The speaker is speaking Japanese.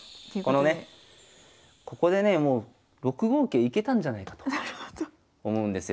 このねここでねもう６五桂いけたんじゃないかと思うんですよ。